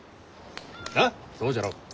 なっそうじゃろう？